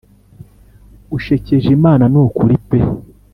ushekeje imana nukuri pe